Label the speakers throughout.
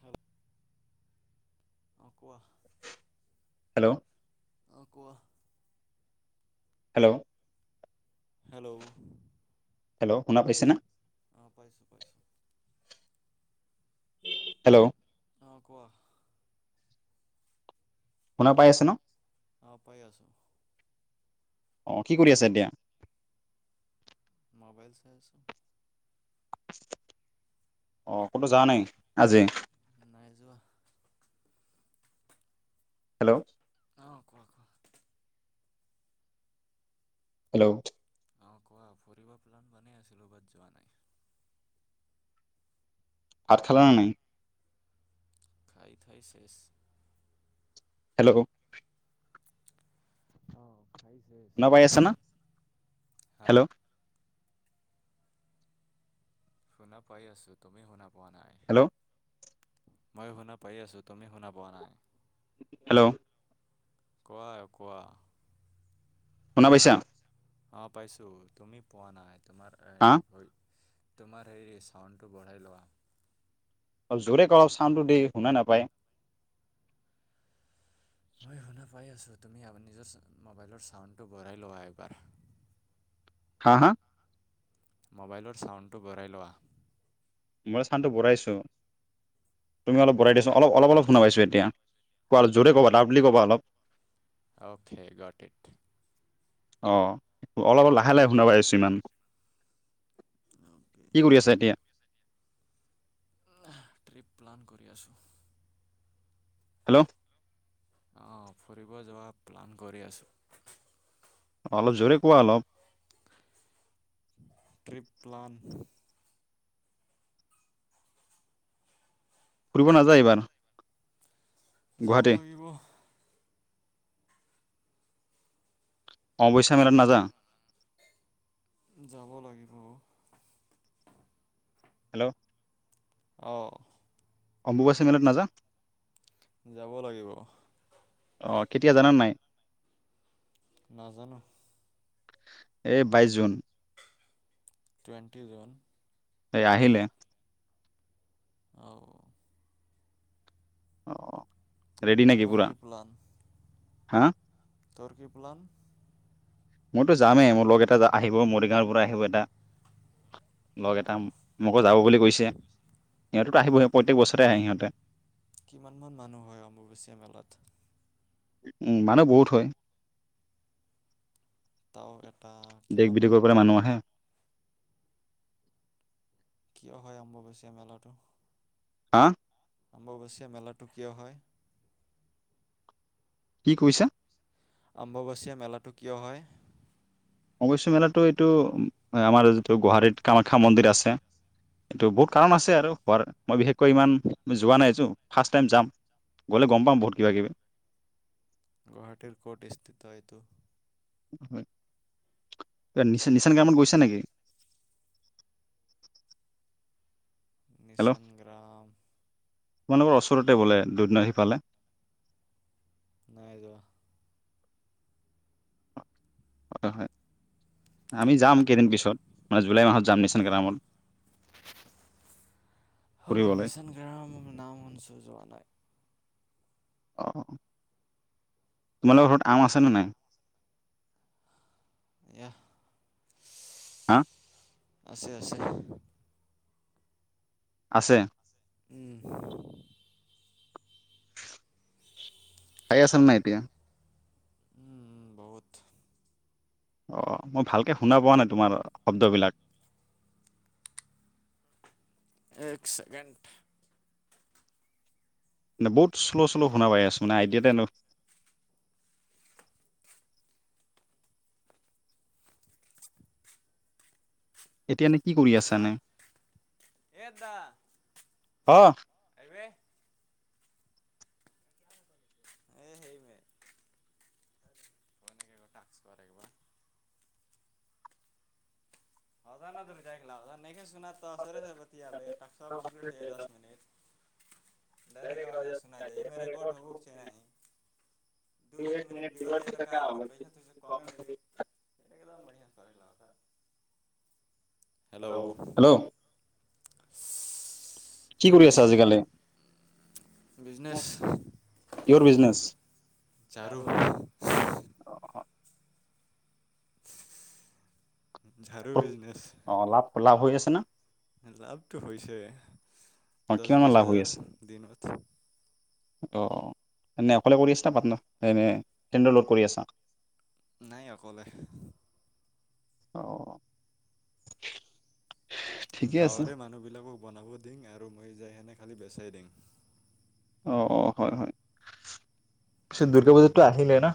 Speaker 1: Hello অঁ কোৱা,
Speaker 2: hello
Speaker 1: অ কোৱা।
Speaker 2: হেল্ল'
Speaker 1: হেল্ল'
Speaker 2: হেল্ল' শুনা পাইছা না
Speaker 1: অ পাইছো পাইছো।
Speaker 2: হেল্ল'
Speaker 1: অ কোৱা
Speaker 2: শুনা পাই আছে ন?
Speaker 1: অ পাই আছো।
Speaker 2: অ, কি কৰি আছা এতিয়া?
Speaker 1: ম'বাইল চাই আছো।
Speaker 2: [unintelligible] অ, ক'তো যৱা নাই আজি?
Speaker 1: নাই যোৱা
Speaker 2: হেল্ল'।
Speaker 1: অঁ কোৱা কোৱা।
Speaker 2: হেল্ল'।
Speaker 1: অ কোৱা ফুৰিব প্লান বনাই আছিলো, বাট যোৱা নাই।
Speaker 2: ভাত খালা নে নাই?
Speaker 1: খাই থাই চেচ
Speaker 2: হেল্ল'
Speaker 1: অ আহিছে
Speaker 2: শুনা পাই
Speaker 1: আহিছে
Speaker 2: আছে না?
Speaker 1: হা
Speaker 2: হেল্ল'
Speaker 1: শুনা পাই আছো তুমি শুনা পোৱা নাই
Speaker 2: হেল্ল'
Speaker 1: মই শুনা পাই আছো তুমি শুনা পোৱা নাই
Speaker 2: হেল্ল'
Speaker 1: কোৱা কোৱা
Speaker 2: শুনা পাইছা
Speaker 1: অ পাইছো তুমি পোৱা নাই তোমাৰ
Speaker 2: হা
Speaker 1: এই ভই তোমাৰ হেৰি চাউণ্ডটো বঢ়াই লোৱা
Speaker 2: অ জোৰে ক চাউডটো দি শুনা নাপায়
Speaker 1: মই শুনা পাই আছোঁ তুমি নিজৰ মোবাইলৰ চাউণ্ডটো বঢ়াই লোৱা এবাৰ
Speaker 2: হা হা
Speaker 1: মোবাইলৰ ছাউণ্ডটো বঢ়াই লোৱা
Speaker 2: মই চানটো বৰাইছো তুমি অলপ বৰাই দে চোন অলপ অলপ অলপ শুনা পাইছো এতিয়া কোৱা জোৰে কবা লাউদলি কবা অলপ
Speaker 1: অ'কে গট্ ইট্।
Speaker 2: অ' অল-অলপ লাহে লাহে শুন পাইছো ইমান, কি কৰি আছা এতিয়া?
Speaker 1: ট্ৰিপ প্লান কৰি আছোঁ।
Speaker 2: হেল্ল'!
Speaker 1: অঁ ফুৰিব যোৱা প্লান কৰি আছোঁ।
Speaker 2: অলপ জোৰে কোৱা অলপ।
Speaker 1: Trip plan.
Speaker 2: ফুৰিব নাযায় এইবাৰ?
Speaker 1: যাব
Speaker 2: গুৱাহাটী
Speaker 1: লাগিব।
Speaker 2: [unintelligible] মেলাত নাযা?
Speaker 1: যাব লাগিব ও।
Speaker 2: হেল্ল'।
Speaker 1: অ'।
Speaker 2: অম্বুবাচী মেলাত নাযা?
Speaker 1: যাব লাগিব।
Speaker 2: অ' কেতিয়া জানানে নাই?
Speaker 1: নাজানো।
Speaker 2: এই বাইছ জুন।
Speaker 1: Twenty June.
Speaker 2: [unintelligible] আহিলে।
Speaker 1: অ'।
Speaker 2: অ' অ'। ৰেডি নেকি
Speaker 1: তোমাৰ
Speaker 2: পূৰা?
Speaker 1: কি প্লান
Speaker 2: হা?
Speaker 1: তোৰ কি প্লান?
Speaker 2: মইতো যামেই মোৰ লগ এটা আহিব মৰিগাঁৱৰ পৰা আহিব এটা। লগ এটা
Speaker 1: অঁ
Speaker 2: মোকো যাব বুলি কৈছে, সিহঁত আহিবয়ে, প্ৰত্যেক বছৰে আহে সিহঁতে।
Speaker 1: কিমানমান মানুহ হয় অম্বুবাচীয়া মেলাত?
Speaker 2: উম মানুহ বহুত হয়।
Speaker 1: তেওঁ এটা
Speaker 2: দেশ
Speaker 1: কিমান
Speaker 2: বিদেশৰ
Speaker 1: মান?
Speaker 2: পৰা মানুহ আহে
Speaker 1: কিয় হয় আম্বুবাচীয়া মেলাটো?
Speaker 2: হা?
Speaker 1: আম্বুবাচীয়া মেলাটো কিয় হয়?
Speaker 2: কি কৈছা?
Speaker 1: আম্বুবাচীয়া মেলাটো কিয় হয়?
Speaker 2: অম্বুবাচী মেলাটো এইটো আমাৰ যিটো গুৱাহাটীত কামাখ্যা মন্দিৰ আছে, এইটো বহুত কাৰণ আছে আৰু হোৱাৰ মই বিশেষকৈ ইমান যোৱা নাইতো, ফাৰ্ষ্ট টাইম যাম গ'লে গম পাম বহুত কিবা কিবি।
Speaker 1: গুৱাহাটীৰ ক'ত স্থিত এইটো?
Speaker 2: [unintelligible] গৈছা নেকি? হেল্ল'
Speaker 1: নিচান গ্ৰাম
Speaker 2: তোমালোকৰ ওচৰতে বোলে, দুধনৈ সিফালে।
Speaker 1: নাই যোৱা।
Speaker 2: হয় হয়। আমি যাম কেইদিন পিছত। জুলাই মাহত। যাম নিচান গ্ৰামত ফুৰিবলৈ
Speaker 1: নিচান গৰান নাম শুনিছো যোৱা নাই
Speaker 2: অ তোমালোকৰ ঘৰত আম আছেনে নাই?
Speaker 1: এয়া
Speaker 2: হা
Speaker 1: আছে আছে।
Speaker 2: আছে।
Speaker 1: উম
Speaker 2: খাই আছানে নাই এতিয়া।
Speaker 1: উম বহুত
Speaker 2: অ মই ভালকে শুনা পোৱা নাই তোমাৰ শব্দবিলাক।
Speaker 1: এক ছেকেণ্ড।
Speaker 2: বহুত শ্ল' শ্ল' শুনা পাই আছো মানে আইডিয়াতেনো এতিয়া নেকি
Speaker 1: দাদা এ দাদা
Speaker 2: হ
Speaker 1: েই [unintelligible] এই অকাস্ কৰেিবাৰ [unintelligible] অান নদূ যাইাকা ন আচাৰে পতিালেচ কম্পলিট হৈ দ মিনিট ডৰে কজনা যায় এ ৰকৰ্ড হক ন দু এক মিনট বিগ় যায় ক গ পচা কম মিলি একদ বঢিয় হেল্ল'
Speaker 2: হেল্ল' কি কৰি আছে আজিকালি ইৰ বিজনেছ আৰু অ অ লাভ লাভ হৈ আছে ন
Speaker 1: লাভটো হৈছে।
Speaker 2: অ',
Speaker 1: দহ
Speaker 2: কিমান মান
Speaker 1: বিছ
Speaker 2: লাভ
Speaker 1: হাজাৰ, দিনত
Speaker 2: অঁ এনেই অকলে কৰি আছা পাটনাৰ, এনে ফ্ৰেন্ডৰ লগত কৰি আছা?
Speaker 1: নাই আকলে।
Speaker 2: অঁহ
Speaker 1: গাঁৱৰে মানুহ বিলাকক বনাব দিম আৰু মই যাই সেনে খালী বেচাই দিম
Speaker 2: অ হয় হয় পিছে দুৰ্গা পূজাতো আহিলে না,,,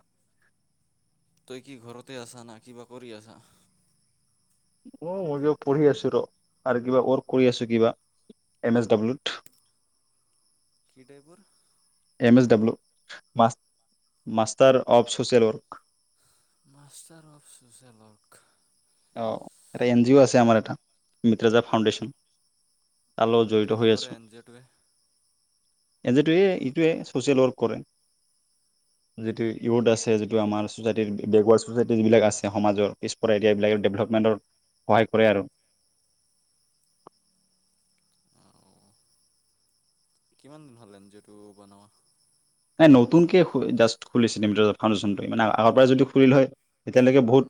Speaker 1: তই কি ঘৰতে আছ ন কিবা কৰি আছা?
Speaker 2: অ মই কিব পঢ়ি আছো ৰ আৰু কিবা ৱৰ্ক কৰি আছো কিবা এম এছ ডাব্লিউত।
Speaker 1: হৃদয়পূৰ
Speaker 2: M S W, master of social work
Speaker 1: master of social work.
Speaker 2: অ এটা এন জি অ' আছে আমাৰ এটা, মিত্ৰজা ফাউণ্ডেশ্যন। তাৰ লগত
Speaker 1: কি
Speaker 2: জড়িত
Speaker 1: কি
Speaker 2: হৈ
Speaker 1: কৰে
Speaker 2: আছোঁ।
Speaker 1: এন জি অ'টোৱে
Speaker 2: এজ এইে ইটোৱে ছচিয়েল ৱৰ্ক কৰে, যিটো ইউড আছে, যিটো আমাৰ চচাইটিৰ বেকৱৰ্ড চচাইটি যিবিলাক আছে সমাজৰ পিছপৰা এতিয়াবিলাক। ডেভেলপমেণ্টত সহায় কৰে আৰু।
Speaker 1: কিমান দিন হল এঞ্জিঅ টো বনোৱা?
Speaker 2: নাই নতুনকে জাষ্ট খুলিছে নিম ফাউডেশ্যনটো, মানে আগৰ পৰাই যদি খুলিল হয় এতিয়ালৈকে বহুত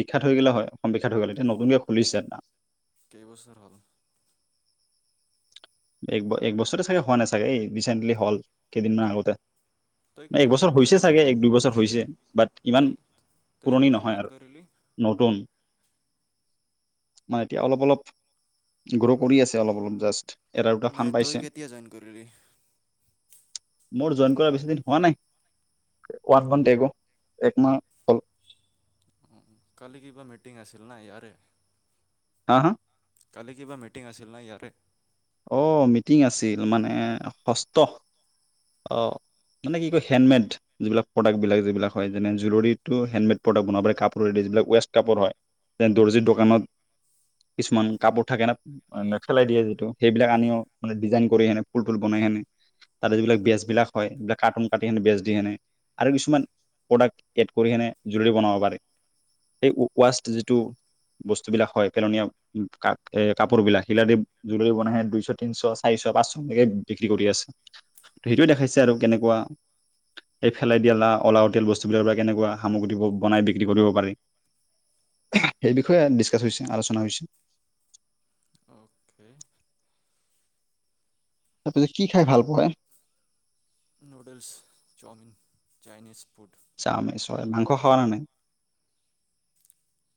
Speaker 2: বিখ্যাত হৈ গল হয়, অসম বিখ্যাত হৈ গ'ল এতিয়া নতুনকে খুজিছে এতিয়া।
Speaker 1: কেইবছৰ হ'ল?
Speaker 2: এক বছৰ চাগে হোৱা নাই চাগে এই ৰিচেণ্টলি হল কেইদিনমান আগতে।
Speaker 1: তই কেতিয়া
Speaker 2: একবছৰ
Speaker 1: জইন
Speaker 2: হৈছে
Speaker 1: কৰিলি
Speaker 2: চাগে এক দুই বছৰ হৈছে বাট ইমান
Speaker 1: তই তই
Speaker 2: পুৰণি
Speaker 1: কেতিয়া
Speaker 2: নহয়
Speaker 1: জইন
Speaker 2: আৰু
Speaker 1: কৰিলি
Speaker 2: নতুন। মানে এতিয়া অলপ অলপ গ্ৰ' কৰি আছে অলপ অলপ জাষ্ট। এটা দুটা ফান
Speaker 1: নাই তই
Speaker 2: পাইছে
Speaker 1: কেতিয়া জইন কৰি ললি?
Speaker 2: মোৰ জইন কৰা বেছি দিন হোৱা নাই ওৱানটগো একমাহ হ'ল।
Speaker 1: উম, উম। কালি কিবা মিটিং আছিল না ইয়াৰে।
Speaker 2: হা হা।
Speaker 1: কালি কিবা মিটিং আছিল ন ইয়াতে।
Speaker 2: অ মিটিং আছিল মানে ষষ্ঠ মানে কি কয় হেণ্ডমেড যিবিলাক প্ৰডাক্টবিলাক যিবিলাক হয় যেনে জুৱেলৰীটো হেণ্ডমেড প্ৰডাক্ট বনাব প কাপোৰৰে যিবিলাক ৱেষ্ট কাপোৰ হয় যে দৰ্জিত দোকানত কিছুমান কাপোৰ থাকে নে খেলাই দিয়ে যিটো সেইবিলাক আনিও মানে ডিজাইন কৰি সেনে ফুল তুল বনাই সেনে তাতে যিবিলাক বেজ বিলাক হয় সেইবিলাক কাৰ্টুন কাটি কেনে বেজ দি সেনে আৰু কিছুমান প্ৰডাক্ট এড কৰি কেনে জুৱেলাৰী বনাব পাৰে সেই ৱাষ্ট যিটো বস্তুবিলাক হয় পেলনীয়া কাপোৰ বিলাক সেইবিলাক দুই চ টিন চ চাৰিশ চ পাঁচ এনেকে বিক্ৰী কৰি আছে সেইটোে দেখাইছে আৰু কেনেকুৱা [unintelligible] দিয়া ওলাওঁতে বস্তুবিলাক পৰা কেনেকুৱা সামগ্ৰী বনাই বিক্ৰী কৰিব পাৰি সেই বিষয়ে ডিছকাছ হৈছে আলোচনা হৈছে।
Speaker 1: কে
Speaker 2: তাৰপিছত কি খাই ভাল পোৱায়।
Speaker 1: Noodles chowmein Chinese food.
Speaker 2: Chowmein চয় মাংস খোৱা না নাই?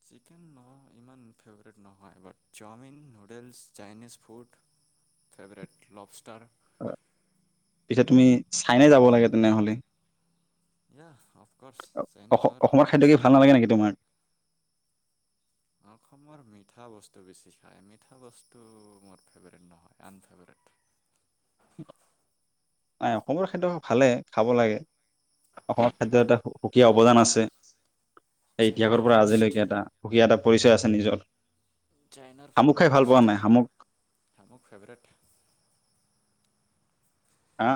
Speaker 1: চিকেন ম ইমান ফেভৰেট নহয় but chowmein noodles Chinese food favourite lobster.
Speaker 2: হয় পিছে তুমি চাইনাই যাব লাগে তেনেহলে।
Speaker 1: এ
Speaker 2: অসমৰ খাদ্য কি ভাল নালাগে নেকি তোমাৰ?
Speaker 1: অসমৰ মিঠা বস্তু বেছি খাই মিঠা বস্তু মোৰ ফেভৰেট নহয় আনফেভৰেট।
Speaker 2: নাই অসমৰ খাদ্য ভালে খাব লাগে অসমৰ খাদ্য এটা সুকীয়া অৱদান আছে। স
Speaker 1: চাইনা
Speaker 2: ইতিহাসৰ পৰা
Speaker 1: বেষ্ট
Speaker 2: আজিলৈকে এটা সুকীয়া এটা পৰিচয় আছে নিজৰ
Speaker 1: চাইনাৰ
Speaker 2: শামুক
Speaker 1: ফুড
Speaker 2: খাই ভাল পোৱা নাই শামুক
Speaker 1: বেষ্টষ্ট মোৰ ফেভৰেট।
Speaker 2: হা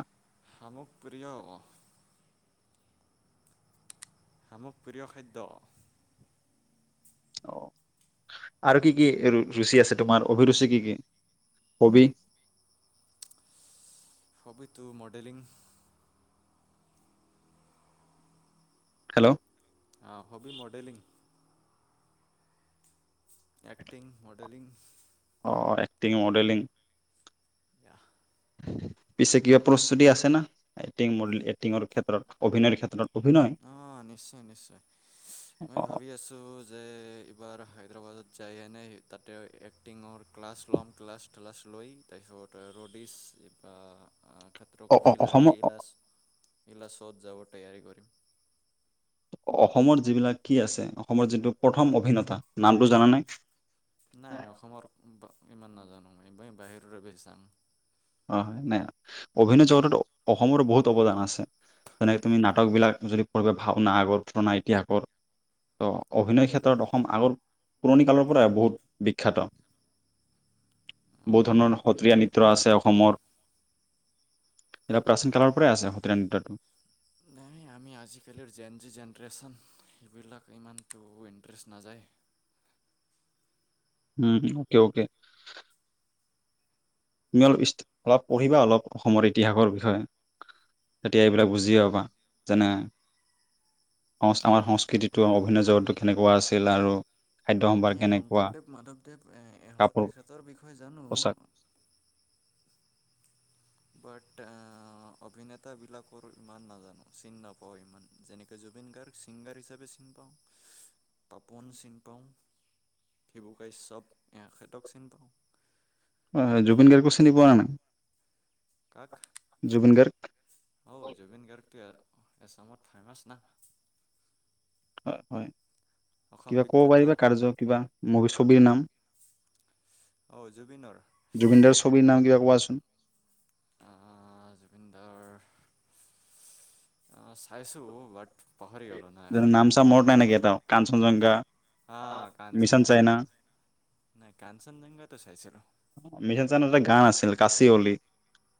Speaker 1: শামুক প্ৰিয়। শামুক প্ৰিয় খাদ্য।
Speaker 2: অ আৰু কি কি ৰুচি আছে তোমাৰ অভিৰুচি কি কি হবি?
Speaker 1: হবিটো মডেলিং।
Speaker 2: হেল্ল'
Speaker 1: অ হবী মডেলিং। Acting modelling.
Speaker 2: অঁ এক্টিং মডেলিং।
Speaker 1: দ
Speaker 2: পিছে কিবা প্ৰস্তুতি আছে না এক্টিং মডেল এক্টিঙৰ ক্ষেত্ৰত অভিনয়ৰ ক্ষেত্ৰত। অভিনয়
Speaker 1: অ নিশ্চয় নিশ্চয় মই
Speaker 2: অ
Speaker 1: ভাবি আছো। যে এইবাৰ হায়দৰাবাদত যায়হেনে তাতে এক্টিঙৰ ক্লাছ ল'ম ক্লাছ ক্লাছ লৈ তাৰপিছত ৰ'ডিছ বা খাত্ৰ
Speaker 2: অ
Speaker 1: কা খিলা়ৰি
Speaker 2: অসমৰ
Speaker 1: ইলাছ ইলাছ। ত'ত যাব তৈয়াৰী কৰিম।
Speaker 2: অসমত যিবিলাক কি আছে অসমৰ যিটো প্ৰথম অভিনেতা নামটো জানা নাই?
Speaker 1: নাই এ অসমৰ ইমান নাজানো মই একিবই বাহিৰ বাবে [unintelligible]
Speaker 2: হয় হয় নাই অভিনয় জগতত অসমৰো বহুত অৱদান আছে যেনেক তুমি নাটক বিলাক যদি পঢ়িবা ভওনা আগৰ পুৰনা ইতিহাসৰ ত অভিনয় ক্ষেত্ৰত অসম আগৰ পুৰণি কালৰ পৰাই বহুত বিখ্যাত বহুত
Speaker 1: আৰু
Speaker 2: ধৰণৰ সত্ৰীয়া নৃত্য আছে। অসমৰ এটা প্ৰাচীন কালৰ পৰাই আছে সত্ৰীয়া নৃত্য
Speaker 1: নাই আমি আজিকালিৰ জেন জি জেনেৰেশ্যন সেইবিলাক ইমানটো ইণ্টাৰেষ্ট নাযায়
Speaker 2: উম অকে অকে তুমি অলপ ইচ অলপ পঢ়িবা অলপ অসমৰ ইতিহাসৰ বিষয়ে তেতিয়া এইবিলাক বুজি পাবা যেনে আমাৰ সংস্কৃতিটো অভিনয় জগতটো কেনেকুৱা আছিল আৰু খাদ্য সম্ভাৰ
Speaker 1: এ
Speaker 2: কেনেকুৱা
Speaker 1: শংকৰদেৱ মাধৱদেৱ এ
Speaker 2: কাপোৰ
Speaker 1: এখেতৰ বিষয়ে জানো
Speaker 2: পোচাক
Speaker 1: বাট অ অভিনেতাবিলাকৰ ইমান নাজানো চিনি নাপাওঁ ইমান যেনেকৈ জুবিন গাৰ্গ ছিংগাৰ হিচাপে চিনি পাওঁ পাপন চিনি পাওঁ ভিগু কাশ্যপ এখেতক চিনি পাওঁ
Speaker 2: হয় হয় জুবিন গাৰ্গকো চিনি পোৱা নে নাই
Speaker 1: কাক
Speaker 2: জুবিন গাৰ্গ
Speaker 1: হ জুবিন গাৰ্গটো এছামত ফে্মাছ না
Speaker 2: হয় হয়
Speaker 1: অসম
Speaker 2: কিবা কব
Speaker 1: বিখ্যাত
Speaker 2: পাৰিবা কাৰ্য কিবা মভি ছবিৰ নাম
Speaker 1: অ জুবিনৰ
Speaker 2: জুবিনদাৰ ছবিৰ নাম কিবা কোৱা চোন উম
Speaker 1: আ জুবিন দাৰ চাইছোঁ বাট পাহৰি গ'লো না
Speaker 2: নাম চাম মনত নাই নেকি এটাও কাঞ্চনজংঘা
Speaker 1: আ
Speaker 2: অ মিছন চাইনা
Speaker 1: কাঞ্চনজংঘা নাই কাঞ্চনজংঘাটো
Speaker 2: মিছন চাইনাৰ এটা গান আছিল কাশি অলি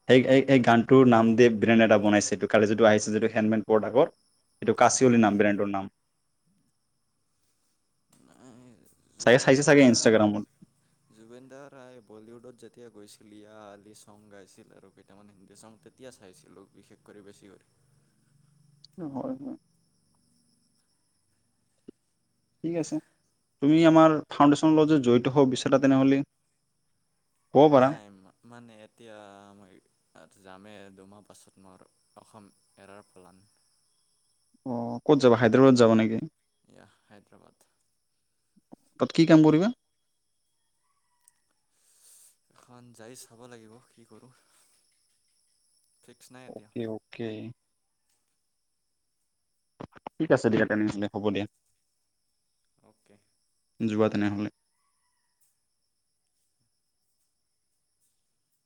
Speaker 2: সেই এই এই গানটোৰ নাম দে ব্ৰেণ্ড এটা বনাইছে সেটো কালি যিটো আহিছে যিটো হেণ্ডমেন প্ৰডাকৰ এইটো কাচিয়লী
Speaker 1: চাইছিলোঁ
Speaker 2: নাম ব্ৰেণ্ডৰ নাম
Speaker 1: নাই
Speaker 2: চাগে
Speaker 1: জুবিন
Speaker 2: চাইছে চাগে
Speaker 1: দাৰ
Speaker 2: ইনষ্টাগ্ৰামত
Speaker 1: জুবিন দাৰ ৰাই বলিউডত যেতিয়া গৈছিল লিয়া আলি চং গাইছিল আৰু কেইটামান হিন্দী চং তেতিয়া চাইছিলো বিশেষকৰি বেছিকৰি
Speaker 2: হয় হয় ঠিক আছে তুমি আমাৰ ফাউণ্ডেশ্যন লগত জড়িত হ'ব বিচাৰা তেনেহ'লে ক'ব পাৰা।
Speaker 1: নাই মানে এতিয়া মাৰ জামে দুমাহ পাছত মোৰ অসম এৰাৰ পেলান
Speaker 2: অ ক'ত যাবা হায়দৰাবাদ যাবা নেকি
Speaker 1: যাহ হায়দৰাবাদ
Speaker 2: তাত কি কাম কৰিবা
Speaker 1: এখন যায় চাব লাগিব কি কৰোঁ ফিক্স নাই এতিয়া
Speaker 2: অকে অকে ঠিক আছে দিয়া তেনেহ'লে হ'ব দিয়া
Speaker 1: অ'কে
Speaker 2: যোৱা তেনেহ'লে